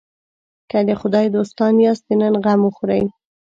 که د خدای دوستان یاست د نن غم وخورئ.